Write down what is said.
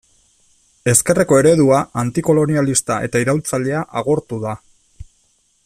Ezkerreko eredua, antikolonialista eta iraultzailea agortu da.